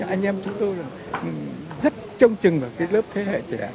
anh em chúng tôi rất trông trừng vào lớp thế hệ trẻ